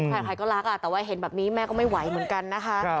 ใครก็รักแต่ว่าเห็นแบบนี้แม่ก็ไม่ไหวเหมือนกันนะคะ